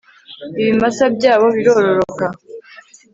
ibimasa byabo birororoka